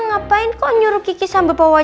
ngapain kok nyuruh kiki sambil bawa